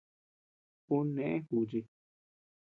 Ú neʼë juchi.